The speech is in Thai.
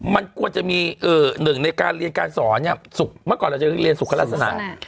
มันควรจะมีหนึ่งในการเรียนการสอนเนี่ยเมื่อก่อนเราจะเรียนสุขลักษณะ